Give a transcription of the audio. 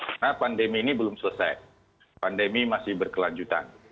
karena pandemi ini belum selesai pandemi masih berkelanjutan